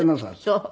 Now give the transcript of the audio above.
そう。